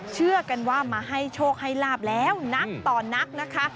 เชื่อกันว่ามาให้โชคให้ลาบแล้วนักต่อนักนะคะ